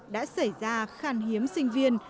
đã xảy ra khan hiếm sinh viên